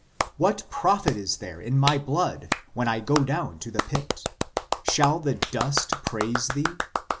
: "What profit is there in my blood, when I go down to the pit ? Shall the dust praise thee